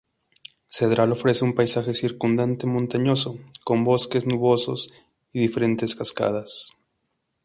Cedral ofrece un paisaje circundante montañoso, con bosques nubosos, y diferentes cascadas.